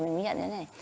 mình mới nhận ra thế này